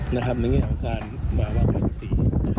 ในการสาหรับช่วยใจขายภาษี